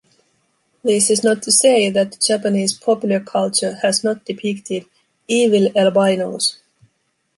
This is not to say that Japanese popular culture has not depicted "evil albinos".